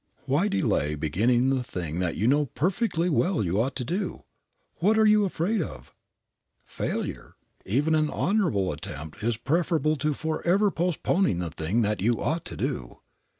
Why delay beginning the thing that you know perfectly well you ought to do? What are you afraid of? Failure, even, in an honorable attempt, is preferable to forever postponing the thing that you ought to do.